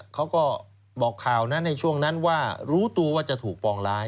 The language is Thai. เขาก็บอกข่าวนั้นในช่วงนั้นว่ารู้ตัวว่าจะถูกปองร้าย